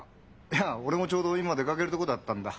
いや俺もちょうど今出かけるとこだったんだ。